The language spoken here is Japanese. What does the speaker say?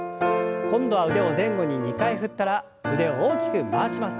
今度は腕を前後に２回振ったら腕を大きく回します。